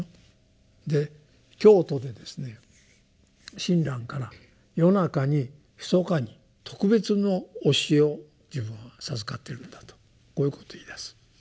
で京都でですね親鸞から夜中にひそかに特別の教えを自分は授かっているんだとこういうことを言いだす。